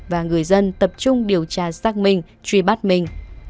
và người dân tập trung điều tra xác minh truy bắt mình